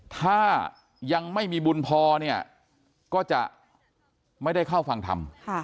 ถ้ายังไม่มีบุญพอเนี่ยก็จะไม่ได้เข้าฟังธรรม